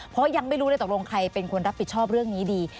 เพราะยังไม่รู้เลยตกลงใครเป็นคนรับผิดชอบเรื่องนี้ดี